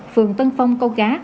phường tân phong câu cá